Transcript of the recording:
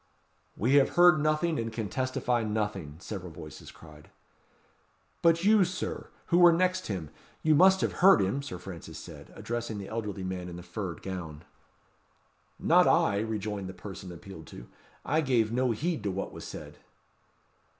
"We have heard nothing, and can testify nothing," several voices cried. "But you, Sir, who were next him, you must have heard him?" Sir Francis said, addressing the elderly man in the furred gown. "Not I!" rejoined the person appealed to; "I gave no heed to what was said."